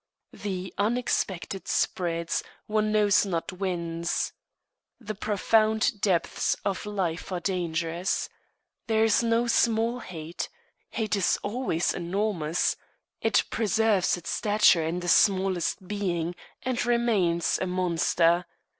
The unexpected spreads, one knows not whence. The profound depths of life are dangerous. There is no small hate. Hate is always enormous. It preserves its stature in the smallest being, and remains a monster.